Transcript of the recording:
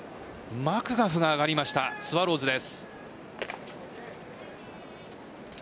マクガフが上がりましたスワローズです。